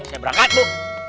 saya berangkat bu